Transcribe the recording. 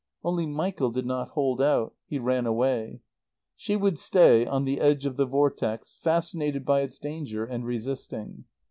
Only Michael did not hold out. He ran away. She would stay, on the edge of the vortex, fascinated by its danger, and resisting.